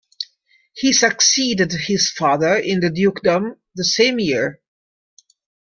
He succeeded his father in the dukedom the same year.